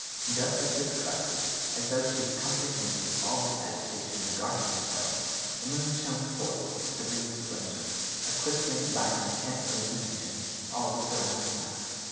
Just at this crisis, as though she comprehended all this agitation regarding herself, the moon shone forth with serene splendor, eclipsing by her intense illumination all the surrounding lights.